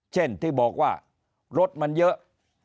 เช่นที่บอกว่ารถมันเยอะ